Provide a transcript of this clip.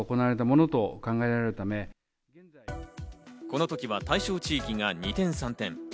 この時は対象地域が二転三転。